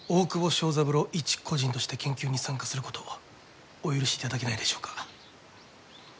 昭三郎一個人として研究に参加することお許しいただけないでしょうか？